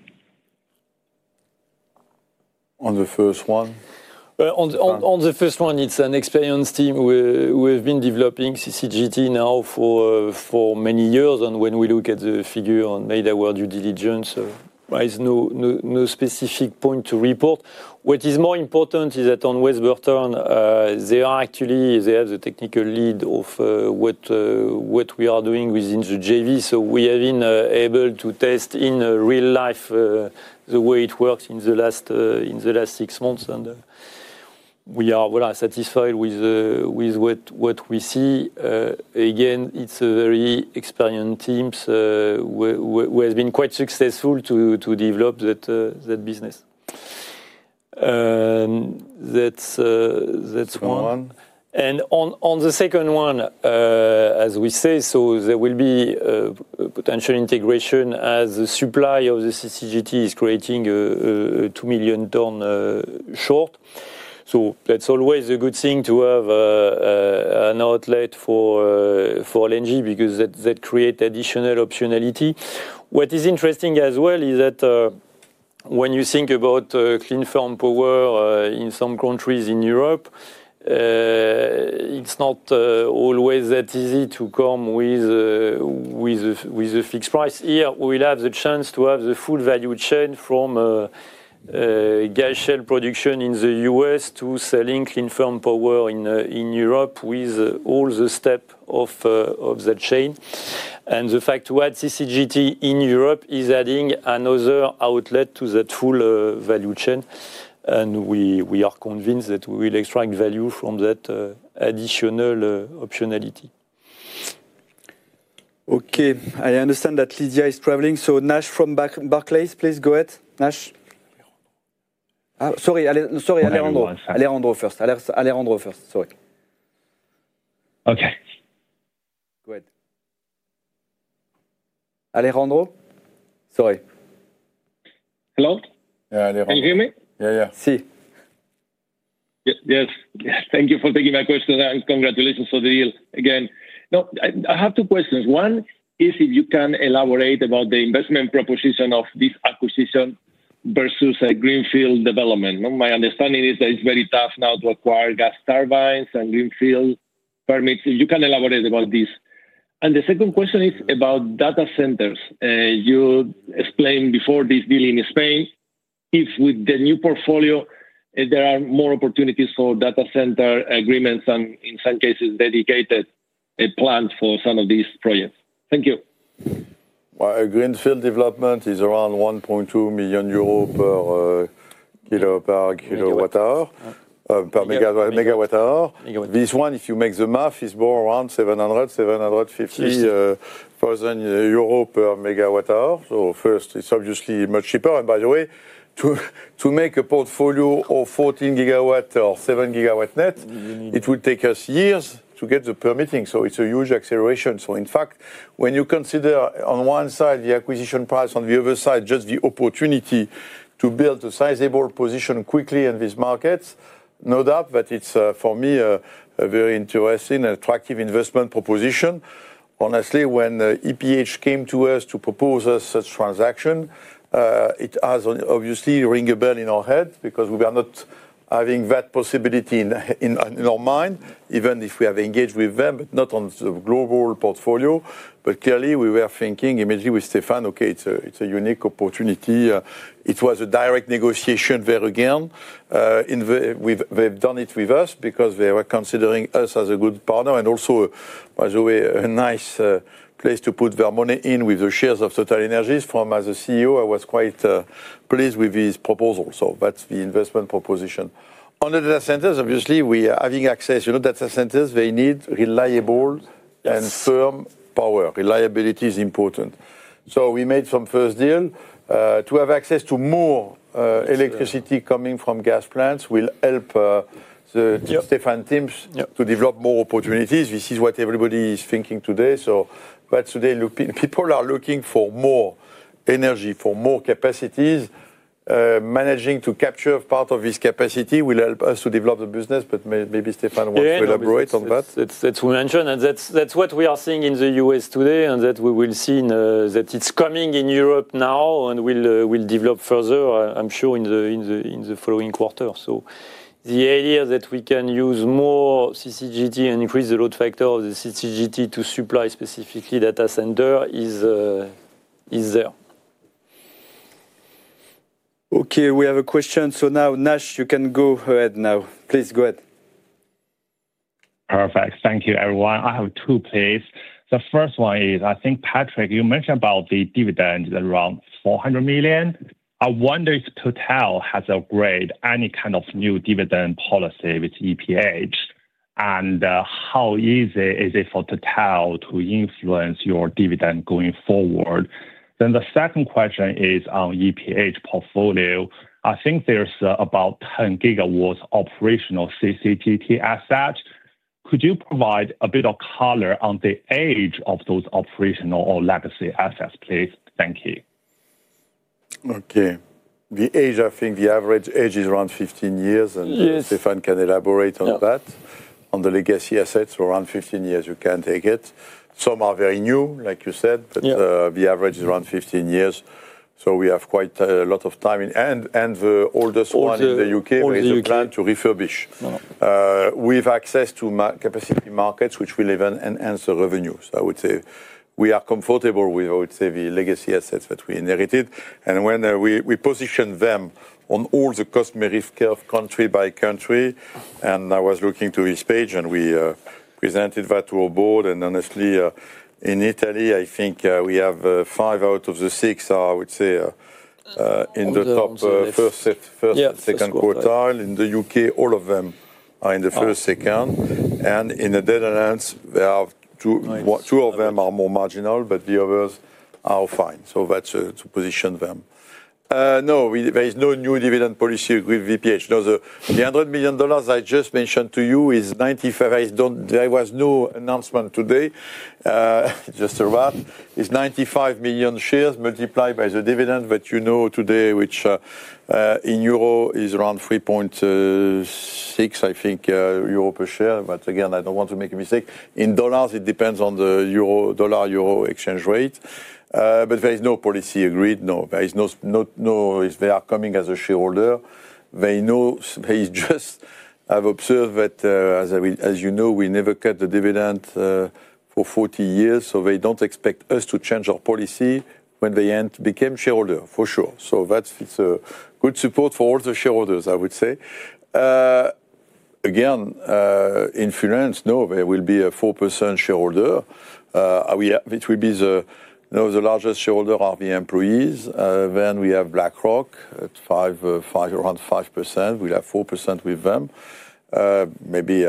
On the first one. On the first one, it's an experienced team who have been developing CCGT now for many years. When we look at the figure on made-aware due diligence, there is no specific point to report. What is more important is that on West Burton, they are actually, they have the technical lead of what we are doing within the JV. We have been able to test in real life the way it works in the last six months. We are satisfied with what we see. Again, it is a very experienced team who has been quite successful to develop that business. That is one. On the second one, as we say, there will be potential integration as the supply of the CCGT is creating a 2 million ton short. That is always a good thing to have an outlet for LNG because that creates additional optionality. What is interesting as well is that when you think about clean firm power in some countries in Europe, it is not always that easy to come with a fixed price. Here, we'll have the chance to have the full value chain from gas shell production in the U.S. to selling clean firm power in Europe with all the steps of the chain. The fact that CCGT in Europe is adding another outlet to that full value chain. We are convinced that we will extract value from that additional optionality. Okay. I understand that Lydia is traveling. Nash from Barclays, please go ahead. Nash. Sorry, Alejandro first. Alejandro first. Sorry. Okay. Go ahead. Alejandro. Sorry. Hello? Can you hear me? Yeah, yeah. Sí. Yes. Thank you for taking my question. Congratulations for the deal. Again, I have two questions. One is if you can elaborate about the investment proposition of this acquisition versus greenfield development. My understanding is that it's very tough now to acquire gas turbines and greenfield permits. If you can elaborate about this. The second question is about data centers. You explained before this deal in Spain if with the new portfolio, there are more opportunities for data center agreements and in some cases, dedicated plans for some of these projects. Thank you. Greenfield development is around 1.2 million euros per megawatt-hour. This one, if you make the math, is more around 700,000-750,000 euro per megawatt-hour. First, it is obviously much cheaper. By the way, to make a portfolio of 14 GW or 7 GW net, it will take us years to get the permitting. It is a huge acceleration. In fact, when you consider on one side the acquisition price and the other side, just the opportunity to build a sizable position quickly in these markets, no doubt that it is for me a very interesting and attractive investment proposition. Honestly, when EPH came to us to propose such a transaction, it has obviously ringed a bell in our head because we were not having that possibility in our mind, even if we have engaged with them, but not on the global portfolio. Clearly, we were thinking immediately with Stéphane, okay, it's a unique opportunity. It was a direct negotiation there again. They've done it with us because they were considering us as a good partner and also, by the way, a nice place to put their money in with the shares of TotalEnergies. From as a CEO, I was quite pleased with his proposal. That's the investment proposition. On the data centers, obviously, we are having access. Data centers, they need reliable and firm power. Reliability is important. We made some first deal. To have access to more electricity coming from gas plants will help the Stéphane teams to develop more opportunities. This is what everybody is thinking today. That is today. People are looking for more energy, for more capacities. Managing to capture part of this capacity will help us to develop the business. Maybe Stéphane wants to elaborate on that. That is what we mentioned. That is what we are seeing in the U.S. today and that we will see that it is coming in Europe now and will develop further, I am sure, in the following quarter. The idea that we can use more CCGT and increase the load factor of the CCGT to supply specifically data center is there. Okay. We have a question. Now, Nash, you can go ahead now. Please go ahead. Perfect. Thank you, everyone. I have two, please. The first one is, I think Patrick, you mentioned about the dividend that is around 400 million. I wonder if Total has agreed to any kind of new dividend policy with EPH and how easy is it for Total to influence your dividend going forward? The second question is on the EPH portfolio. I think there is about 10 GW operational CCGT assets. Could you provide a bit of color on the age of those operational or legacy assets, please? Thank you. Okay. The age, I think the average age is around 15 years. And Stéphane can elaborate on that. On the legacy assets, around 15 years, you can take it. Some are very new, like you said, but the average is around 15 years. We have quite a lot of time. The oldest one in the U.K. is a plan to refurbish. We have access to capacity markets, which will even enhance the revenue. I would say we are comfortable with, I would say, the legacy assets that we inherited. When we positioned them on all the cost merit of country by country, and I was looking to this page and we presented that to our board. Honestly, in Italy, I think we have five out of the six, I would say, in the top first and second quartile. In the U.K., all of them are in the first, second. In the Netherlands, two of them are more marginal, but the others are fine. That is to position them. No, there is no new dividend policy with EPH. The $100 million I just mentioned to you is $95 million. There was no announcement today. It just arrived. It's 95 million shares multiplied by the dividend that you know today, which in 3.6, I think, EUR per share. I don't want to make a mistake. In dollars, it depends on the dollar-euro exchange rate. There is no policy agreed. No, they are coming as a shareholder. They know they just have observed that, as you know, we never cut the dividend for 40 years. They do not expect us to change our policy when they became shareholder, for sure. That is good support for all the shareholders, I would say. In France, no, there will be a 4% shareholder. It will be the largest shareholder are the employees. Then we have BlackRock at around 5%. We will have 4% with them. Maybe.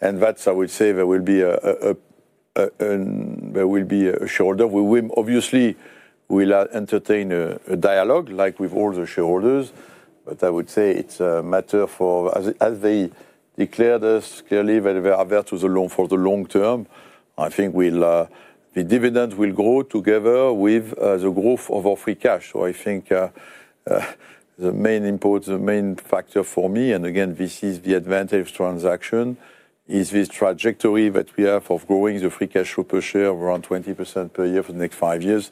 I would say, there will be a shareholder. Obviously, we'll entertain a dialogue like with all the shareholders. I would say it's a matter for, as they declared us clearly, they are there for the long term. I think the dividend will grow together with the growth of our free cash. I think the main factor for me, and again, this is the advantage of transaction, is this trajectory that we have of growing the free cash share per share around 20% per year for the next five years.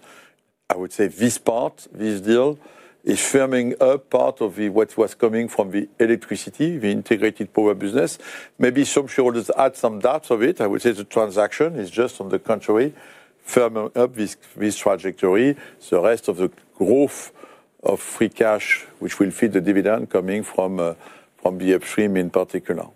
I would say this part, this deal, is firming up part of what was coming from the electricity, the integrated power business. Maybe some shareholders add some dots of it. I would say the transaction is just on the contrary, firming up this trajectory. The rest of the growth of free cash, which will feed the dividend coming from the upstream in particular.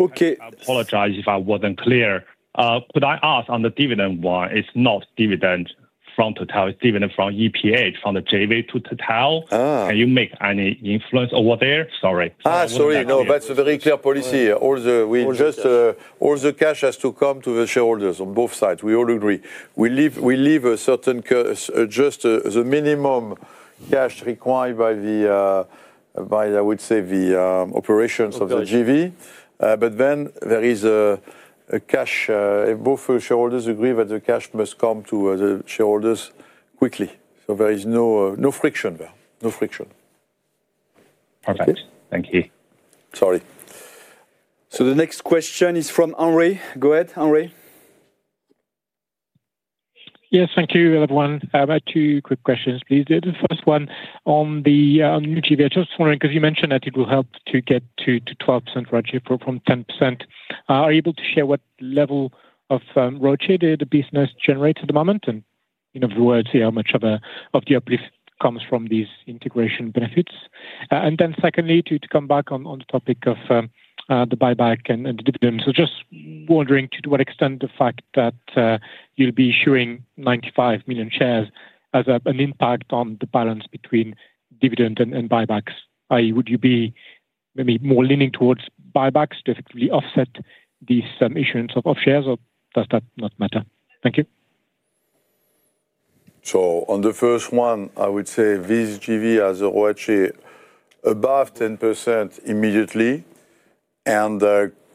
Okay. I apologize if I was not clear. Could I ask on the dividend one? It is not dividend from TotalE. It is dividend from EPH, from the JV to TotalEnergies. Can you make any influence over there? Sorry. Sorry. No, that is a very clear policy. All the cash has to come to the shareholders on both sides. We all agree. We leave a certain just the minimum cash required by the, I would say, the operations of the JV. But then there is a cash. Both shareholders agree that the cash must come to the shareholders quickly. There is no friction there. No friction. Perfect. Thank you. Sorry. The next question is from Henri. Go ahead, Henri. Yes, thank you, everyone. I have two quick questions, please. The first one on the new JV. I am just wondering because you mentioned that it will help to get to 12% roadship from 10%. Are you able to share what level of roadship the business generates at the moment? In other words, see how much of the uplift comes from these integration benefits. Secondly, to come back on the topic of the buyback and the dividend, just wondering to what extent the fact that you'll be issuing 95 million shares has an impact on the balance between dividend and buybacks. Would you be maybe more leaning towards buybacks to effectively offset this issuance of shares, or does that not matter? Thank you. On the first one, I would say this JV has a roadship above 10% immediately and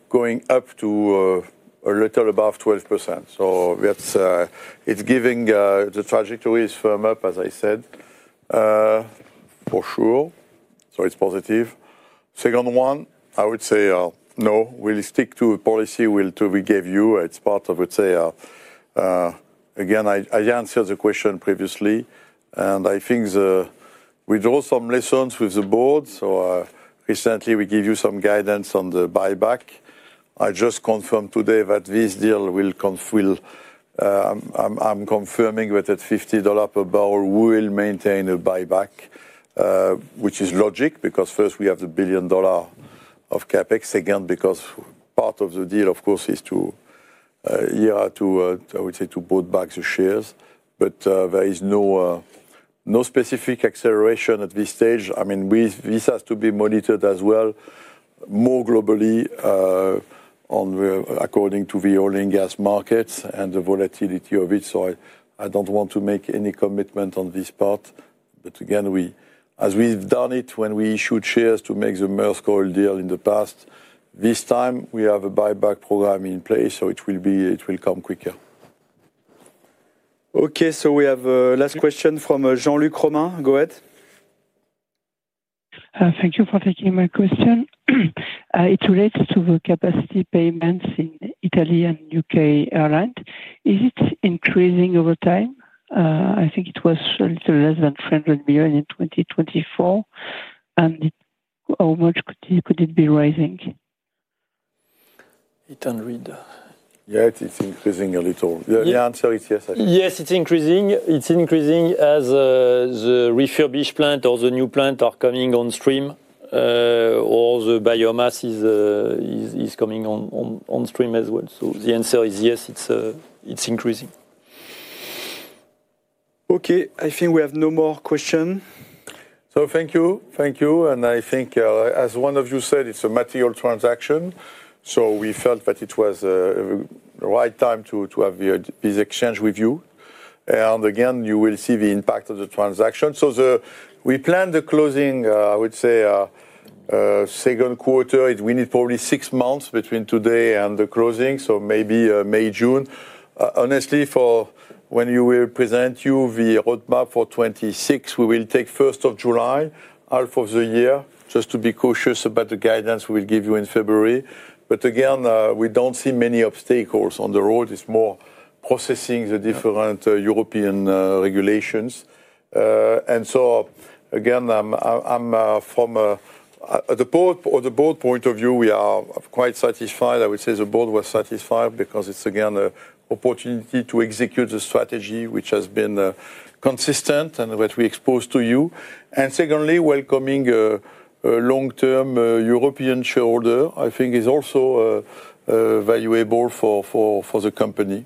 going up to a little above 12%. It is giving the trajectory is firm up, as I said, for sure. It is positive. Second one, I would say no. We'll stick to a policy we'll give you. It's part of, I would say, again, I answered the question previously. I think we drew some lessons with the board. Recently, we gave you some guidance on the buyback. I just confirmed today that this deal will, I'm confirming that at $50 per barrel we will maintain a buyback, which is logic because first, we have the $1 billion of CapEx. Again, because part of the deal, of course, is to, I would say, to board back the shares. There is no specific acceleration at this stage. I mean, this has to be monitored as well more globally according to the oil and gas markets and the volatility of it. I don't want to make any commitment on this part. Again, as we've done it when we issued shares to make the Mercury deal in the past, this time, we have a buyback program in place. It will come quicker. Okay. We have a last question from Jean-Luc Romain Goët. Thank you for taking my question. It relates to the capacity payments in Italy and U.K. Airlines. Is it increasing over time? I think it was a little less than 300 million in 2024. How much could it be rising? It's increasing a little. The answer is yes, I think. Yes, it's increasing. It's increasing as the refurbished plant or the new plant are coming on stream or the biomass is coming on stream as well. The answer is yes, it's increasing. Okay. I think we have no more questions. Thank you. Thank you. I think, as one of you said, it's a material transaction. We felt that it was the right time to have this exchange with you. Again, you will see the impact of the transaction. We planned the closing, I would say, second quarter. We need probably six months between today and the closing, so maybe May, June. Honestly, for when we will present you the roadmap for 2026, we will take first of July, half of the year, just to be cautious about the guidance we will give you in February. Again, we do not see many obstacles on the road. It is more processing the different European regulations. From the board point of view, we are quite satisfied. I would say the board was satisfied because it's, again, an opportunity to execute the strategy, which has been consistent and what we exposed to you. Secondly, welcoming a long-term European shareholder, I think, is also valuable for the company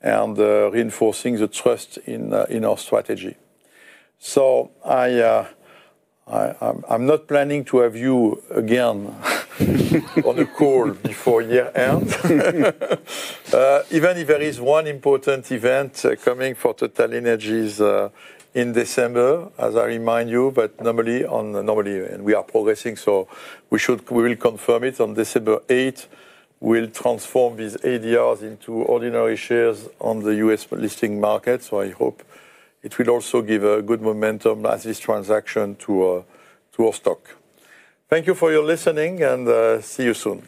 and reinforcing the trust in our strategy. I'm not planning to have you again on a call before year-end. Even if there is one important event coming for TotalEnergies in December, as I remind you, but normally we are progressing. We will confirm it on December 8. We'll transform these 8 years into ordinary shares on the US listing market. I hope it will also give a good momentum as this transaction to our stock. Thank you for your listening and see you soon.